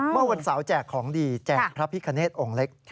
เมื่อวันเสาร์แจกของดีแจกพระพิคเนธองค์เล็ก